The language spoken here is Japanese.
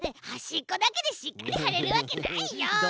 はしっこだけでしっかりはれるわけないよ。